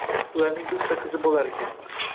Ularning bitta qizi boʻlarkan